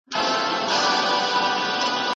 دروازه په لغته وهل د رحیمي صیب عادت نه و.